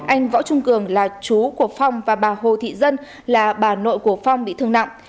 anh võ trung cường là chú của phong và bà hồ thị dân là bà nội của phong bị thương nặng